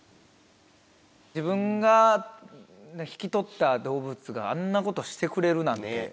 自分が引き取った動物があんなことしてくれるなんて。